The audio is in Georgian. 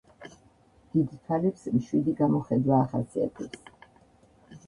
დიდ თვალებს მშვიდი გამოხედვა ახასიათებს.